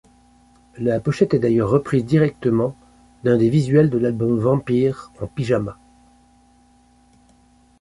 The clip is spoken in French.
La pochette est d'ailleurs reprise directement d'un des visuels de l'album Vampire en Pyjama.